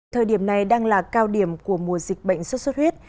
thời điểm này đang là cao điểm của mùa dịch bệnh xuất xuất huyết